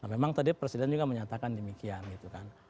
memang tadi presiden juga menyatakan demikian gitu kan